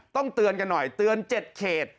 เตือนกันหน่อยเตือน๗เขต